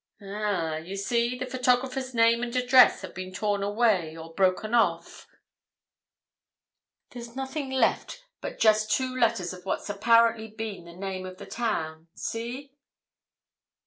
Ah—you see, the photographer's name and address have been torn away or broken off—there's nothing left but just two letters of what's apparently been the name of the town—see.